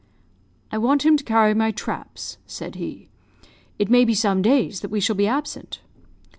"'I want him to carry my traps,' said he; 'it may be some days that we shall be absent.'